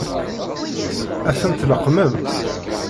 Ad tent-tleqqmem?